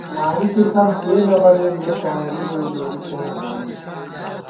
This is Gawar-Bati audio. واری کی ݪم کېئ نہ بَمېم، یَہ شاعری بُوئی نوری سےنہ درُوئی